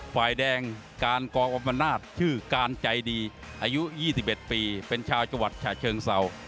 ฝ่ายแดงการกองอมนาศชื่อการใจดีอายุ๒๑ปีเป็นชาวจังหวัดฉะเชิงเศร้า